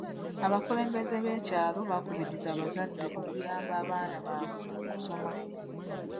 Abakulembeze b'ekyalo baakubirizza abazadde okuyamba abaana baabwe mu kusoma.